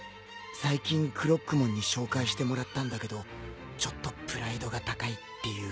最近クロックモンに紹介してもらったんだけどちょっとプライドが高いっていうか。